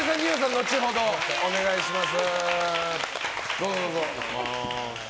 後ほどお願いします。